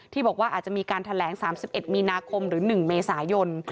บอกว่าอาจจะมีการแถลง๓๑มีนาคมหรือ๑เมษายน